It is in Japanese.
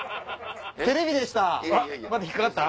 テレビでした。